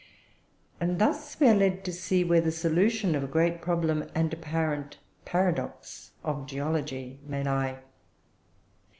And thus we are led to see where the solution of a great problem and apparent paradox of geology may lie.